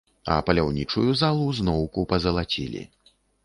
А паляўнічую залу зноўку пазалацілі.